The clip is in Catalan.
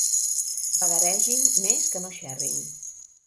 Vagaregin més que no xerrin.